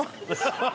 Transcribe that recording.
ハハハ！